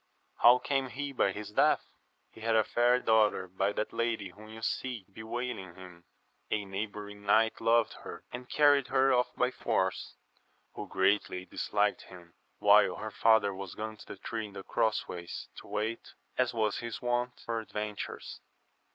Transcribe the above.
— How came he by his death? — He had a fair daughter by that lady whom you see bewailing him ; a neighbouring knight loved her, and carried her off by force, who greatly disliked him, while her father was gone to the tree in the cross ways to wait, as was his wont, for adventures.